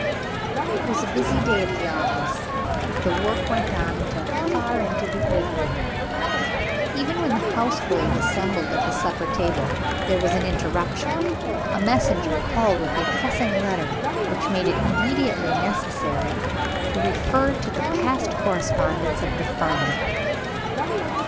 It was a busy day at the office. The work went on until far into the evening. Even when the household assembled at the supper table, there was an interruption. A messenger called with a pressing letter, which made it immediately necessary to refer to the past correspondence of the firm.